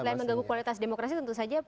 selain mengganggu kualitas demokrasi tentu saja